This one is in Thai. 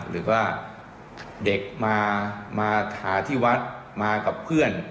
หรือว่าเด็กมาหาที่วัดมากับเพื่อน